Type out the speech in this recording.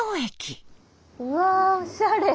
うわおしゃれ。